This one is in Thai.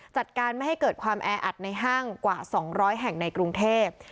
จัดการไม่ให้เกิดความแออัดในห้างกว่า๒๐๐แห่งในกรุงเทพ